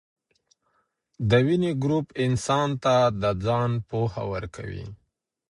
دویني ګروپ انسان ته د ځان پوهه ورکوي.